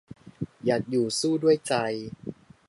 หยัดอยู่สู้ด้วยใจ